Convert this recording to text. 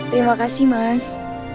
terima kasih mas